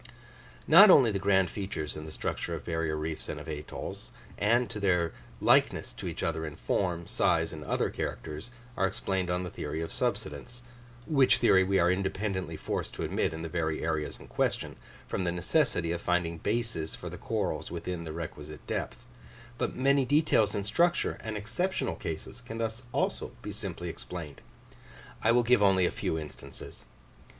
Not only the grand features in the structure of barrier reefs and of atolls, and to their likeness to each other in form, size, and other characters, are explained on the theory of subsidence which theory we are independently forced to admit in the very areas in question, from the necessity of finding bases for the corals within the requisite depth but many details in structure and exceptional cases can thus also be simply explained. I will give only a few instances.